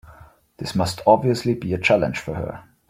This must obviously be a challenge for her.